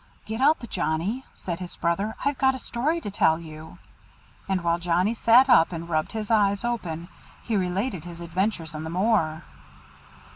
"Get up, Johnnie," said his brother, "I've got a story to tell you." And while Johnnie sat up, and rubbed his eyes open, he related his adventures on the moor.